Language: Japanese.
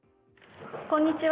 こんにちは。